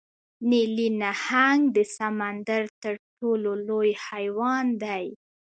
نیلي نهنګ د سمندر تر ټولو لوی حیوان دی